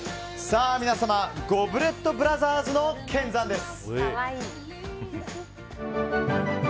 皆様、ゴブレットゴブラーズの見参です！